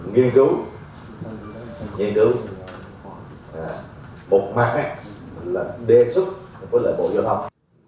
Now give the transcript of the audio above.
nghiên cứu nghiên cứu một mặt là đề xuất với lợi bộ giao thông